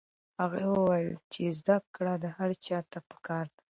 هغه وویل چې زده کړه هر چا ته پکار ده.